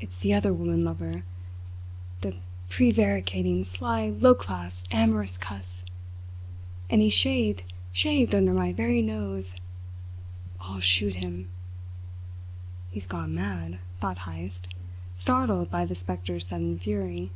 It's the other woman lover the prevaricating, sly, low class, amorous cuss! And he shaved shaved under my very nose. I'll shoot him!" "He's gone mad," thought Heyst, startled by the spectre's sudden fury.